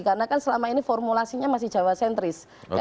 karena kan selama ini formulasinya masih jawa sentris